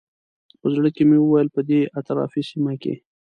په زړه کې مې وویل په دې اطرافي سیمه کې.